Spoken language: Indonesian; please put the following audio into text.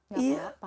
gak apa apa ya